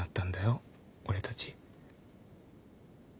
俺たち。